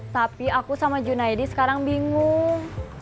tapi aku sama junaidi sekarang bingung